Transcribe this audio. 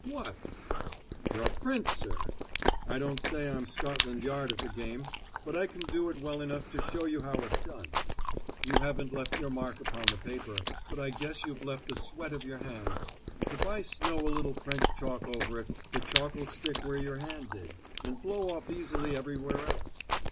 "What?" "Your prints, sir! I don't say I'm Scotland Yard at the game, but I can do it well enough to show you how it's done. You haven't left your mark upon the paper, but I guess you've left the sweat of your hand; if I snow a little French chalk over it, the chalk'll stick where your hand did, and blow off easily everywhere else.